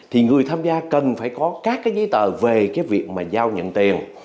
thì người tham gia cần phải có các cái giấy tờ về cái việc mà giao nhận tiền